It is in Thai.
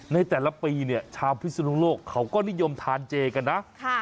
ในแต่ละปีเนี่ยชาวพิศนุโลกเขาก็นิยมทานเจกันนะ